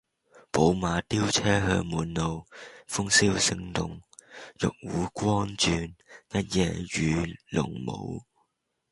寶馬雕車香滿路，鳳簫聲動，玉壺光轉，一夜魚龍舞